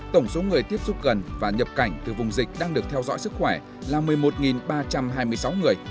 tổng số người tiếp xúc gần và nhập cảnh từ vùng dịch đang được theo dõi sức khỏe là một mươi một ba trăm hai mươi sáu người